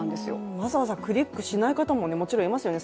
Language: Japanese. わざわざクリックしない方もいますよね